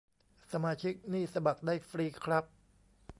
สมาชิกนี่สมัครได้ฟรีครับ